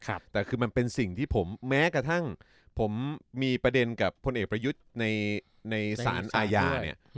แต่คือมันเป็นสิ่งที่ผมแม้กระทั่งผมมีประเด็นกับพลเอกประยุทธ์ในสารอาญาเนี่ย